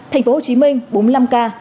tp hcm bốn mươi năm ca